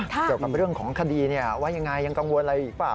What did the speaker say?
เกี่ยวกับเรื่องของคดีว่ายังไงยังกังวลอะไรอีกเปล่า